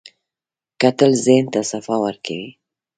کتل ذهن ته صفا ورکوي